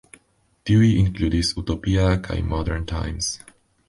Tiuj inkludis "Utopia" kaj "Modern Times.